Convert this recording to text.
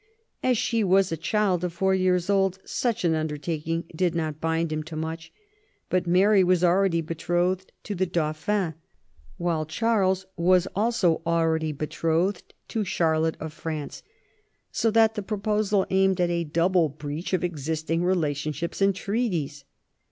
As she was a child of four years old, such an undertaking did not bind him to much ; but Mary was already betrothed to the Dauphin, while Charles was also already betrothed to 64 THOMAS WOLSEY chap. Charlotte of France, so that the proposal aimed at a double breach of existing relationships and treaties.